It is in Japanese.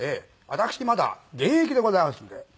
私まだ現役でございますので。